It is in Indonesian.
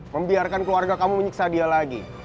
membiarkan keluarga kamu menyiksa dia lagi